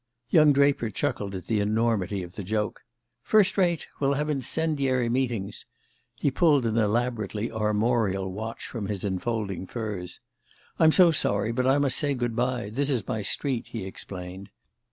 Young Draper chuckled at the enormity of the joke. "First rate! We'll have incendiary meetings!" He pulled an elaborately armorial watch from his enfolding furs. "I'm so sorry, but I must say good bye this is my street," he explained.